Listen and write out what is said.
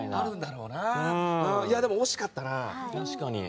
でも惜しかったな。